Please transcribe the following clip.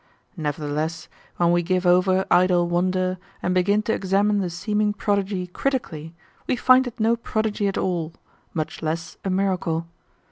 Nevertheless, when we give over idle wonder, and begin to examine the seeming prodigy critically, we find it no prodigy at all, much less a miracle.